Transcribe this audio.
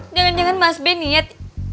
jangan jangan mas ben niat